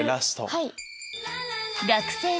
はい。